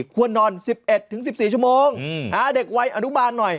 ควรนอนสิบเอ็ดถึงสิบสี่ชั่วโมงอืมอ่าเด็กวัยอนุบาลหน่อย